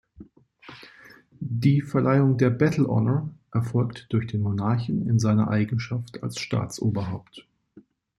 Die Verleihung der Battle Honour erfolgt durch den Monarchen in seiner Eigenschaft als Staatsoberhaupt.